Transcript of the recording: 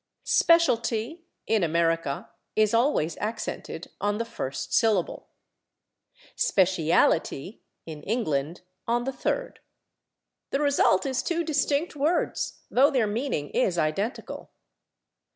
/Specialty/, in America, is always accented on the first syllable; /speciality/, in England, on the third. The result is two distinct words, though their meaning is identical.